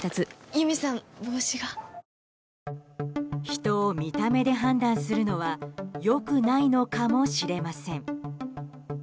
人を見た目で判断するのはよくないのかもしれません。